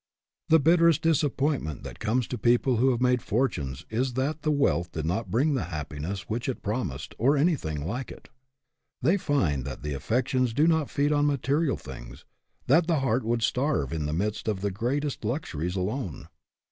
The bitterest disappointment that comes to people who have made fortunes is that the wealth did not bring the happiness which it promised, or anything like it. They find that the affections do not feed on material things, that the heart would starve in the midst of the greatest luxuries alone.